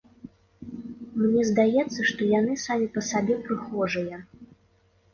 Мне здаецца, што яны самі па сабе прыхожыя.